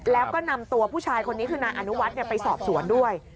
แล้วก็นำตัวผู้ชายคนนี้คือนายอนุวัฒน์ไปสอบสวนด้วย